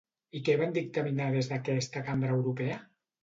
I què van dictaminar des d'aquesta cambra europea?